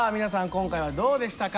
今回はどうでしたか？